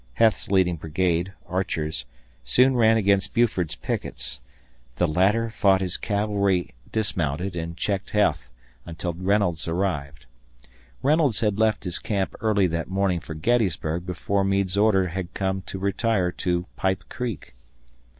Heth's leading brigade, Archer's, soon ran against Buford's pickets; the latter fought his cavalry dismounted and checked Heth until Reynolds arrived. Reynolds had left his camp early that morning for Gettysburg before Meade's order had come to retire to Pipe Creek.